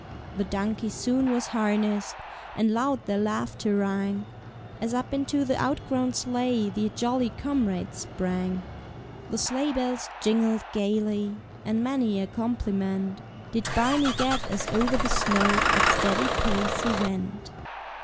The donkey soon was harnessed, And loud their laughter rang, As up into the outgrown sleigh The jolly comrades sprang. The sleigh bells jingled gayly, And many a compliment Did Barney get as o'er the snow At steady pace he went.